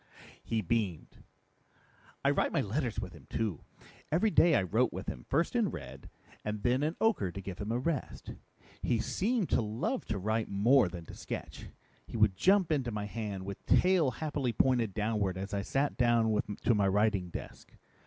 He beamed. "I write my letters with him too. Every day I wrote with him, first in red, and then in ochre to give him a rest. He seemed to love to write more than to sketch. He would jump into my hand with tail happily pointed downward as I sat down to my writing desk.